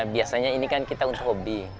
biasanya ini kan kita udah hobi